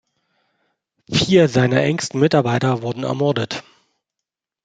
Vier seiner engsten Mitarbeiter wurden ermordet.